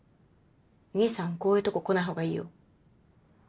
おにいさんこういうとこ来ない方がいいよ。